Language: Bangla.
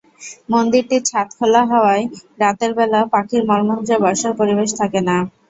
মন্দিরটির ছাদ খোলা হওয়ায় রাতের বেলা পাখির মলমূত্রে বসার পরিবেশ থাকে না।